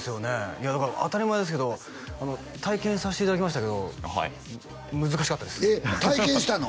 いやだから当たり前ですけど体験させていただきましたけど難しかったですえっ体験したの？